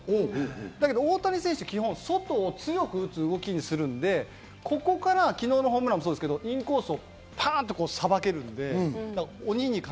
だけど大谷選手は基本、外を強くする動きにするので昨日のホームランもそうですけど、インコースからパンとさばける。